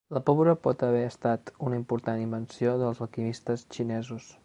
La pólvora pot haver estat una important invenció dels alquimistes xinesos.